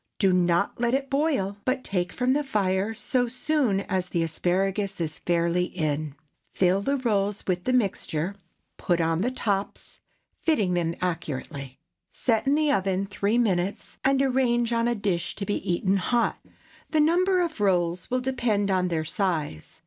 Do not let it boil, but take from the fire so soon as the asparagus is fairly in; fill the rolls with the mixture, put on the tops, fitting them accurately; set in the oven three minutes, and arrange on a dish, to be eaten hot. The number of rolls will depend upon their size.